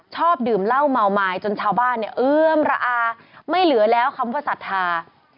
ชอบดื่มเหล้าเมาไม้จนชาวบ้านเนี่ยเอื้อมระอาไม่เหลือแล้วคำว่าศรัทธา